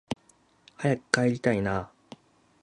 早く帰りたいなあ